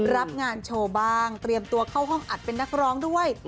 รับงานโชว์บ้างเตรียมตัวเข้าห้องอัดเป็นนักร้องด้วย